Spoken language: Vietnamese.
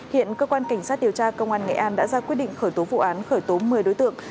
hiện cơ quan cảnh sát điều tra công an nghệ an đã ra quyết định khởi tố vụ án khởi tố một mươi đối tượng